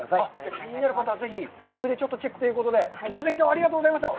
気になる方はウェブでチェックということで、すみません、きょうはありがとうございました。